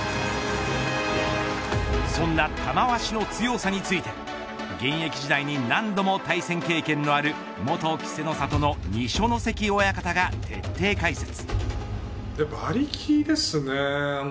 そんな玉鷲の強さについて現役時代に何度も対戦経験のある元稀勢の里の二所ノ関親方が徹底解説。